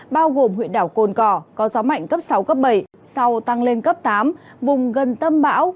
bao gồm huyện đảo cồn cỏ có gió mạnh cấp sáu cấp bảy sau tăng lên cấp tám vùng gần tâm bão